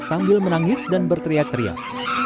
sambil menangis dan berteriak teriak